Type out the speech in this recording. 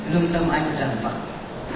lương tâm anh dần vật